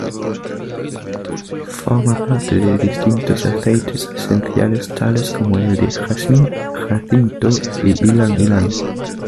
Forma parte de distintos aceites esenciales tales como el de jazmín, jacinto, e ylang-ylang.